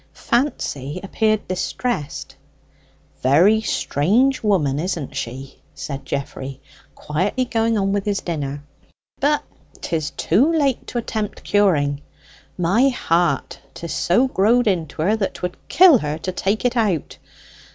Fancy appeared distressed. "Very strange woman, isn't she?" said Geoffrey, quietly going on with his dinner. "But 'tis too late to attempt curing. My heart! 'tis so growed into her that 'twould kill her to take it out.